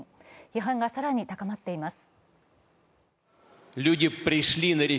批判が更に高まっています。